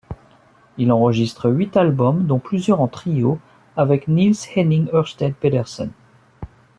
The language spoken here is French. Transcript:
Il enregistre huit albums dont plusieurs en trio avec Niels-Henning Ørsted Pedersen.